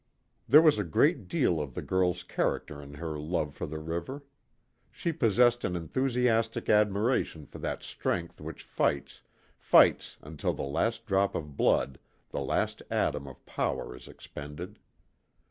There was a great deal of the girl's character in her love for the river. She possessed an enthusiastic admiration for that strength which fights, fights until the last drop of blood, the last atom of power is expended.